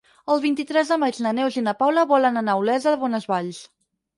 El vint-i-tres de maig na Neus i na Paula volen anar a Olesa de Bonesvalls.